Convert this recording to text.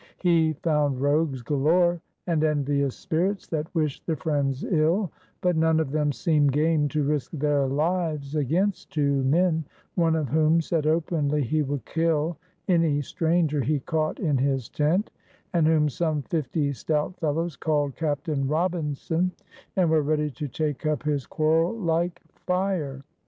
He found rogues galore, and envious spirits that wished the friends ill, but none of them seemed game to risk their lives against two men, one of whom said openly he would kill any stranger he caught in his tent, and whom some fifty stout fellows called Captain Robinson, and were ready to take up his quarrel like fire.